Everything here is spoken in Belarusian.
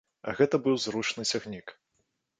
А гэта быў зручны цягнік.